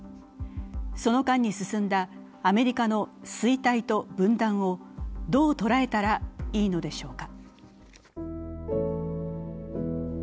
その間に進んだアメリカの衰退と分断をどう捉えたらいいのでしょうか。